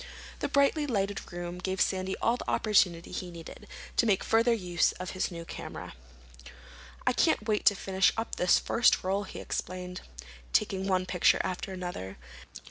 The brightly lighted room gave Sandy all the opportunity he needed to make further use of his new camera. "I can't wait to finish up this first roll," he explained, taking one picture after another.